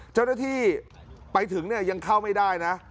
เจ้าหน้าที่ไปถึงเนี่ยยังเข้าไม่ได้นะ